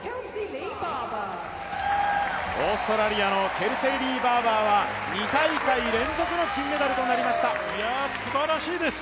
オーストラリアのケルセイ・リー・バーバーは２大会連続の金メダルとなりましたいや、すばらしいです。